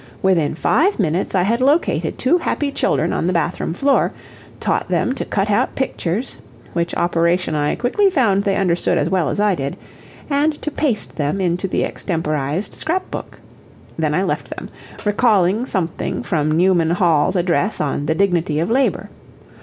Within five minutes I had located two happy children on the bath room floor, taught them to cut out pictures (which operation I quickly found they understood as well as I did) and to paste them into the extemporized scrap book. Then I left them, recalling something from Newman Hall's address on "The Dignity of Labor."